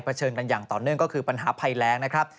เชิดกันอย่างต่อเนื่องก็คือปัญหาภัยแรงนะครับ